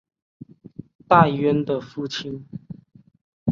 戴渊的父亲。